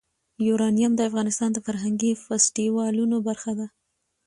یورانیم د افغانستان د فرهنګي فستیوالونو برخه ده.